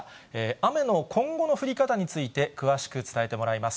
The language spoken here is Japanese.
雨の今後の降り方について、詳しく伝えてもらいます。